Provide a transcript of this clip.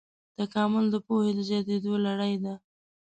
تکامل د پوهې د زیاتېدو لړۍ ده.